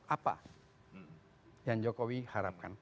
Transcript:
apa yang jokowi harapkan